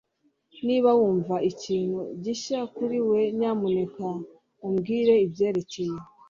Niba wumva ikintu gishya kuri we nyamuneka umbwire ibyerekeye